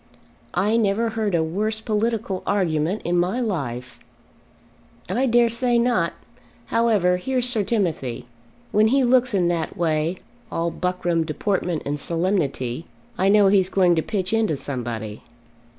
"I never heard a worse political argument in my life." "I dare say not. However, here's Sir Timothy. When he looks in that way, all buckram, deportment, and solemnity, I know he's going to pitch into somebody."